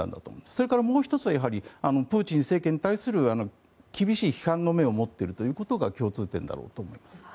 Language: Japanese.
それからもう１つはプーチン政権に対する厳しい批判の目を持っているということが共通点だと思います。